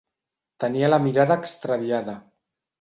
Tenia la mirada extraviada.